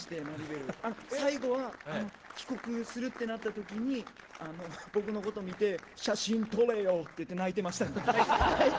最後は、帰国するとなった時に僕のことを見て写真撮れよって言って泣いていました。